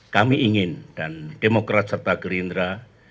kami ingin dan demokrat serta gerindra